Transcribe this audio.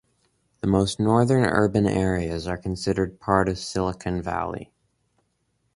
The most northern urban areas are considered part of Silicon Valley.